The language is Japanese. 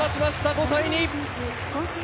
５対２。